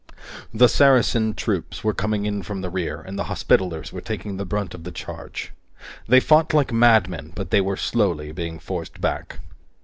The Saracen troops were coming in from the rear, and the Hospitallers were taking the brunt of the charge. They fought like madmen, but they were slowly being forced back.